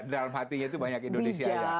dan dalam hatinya itu banyak indonesia ya